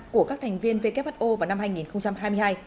của các thành viên who vào năm hai nghìn hai mươi hai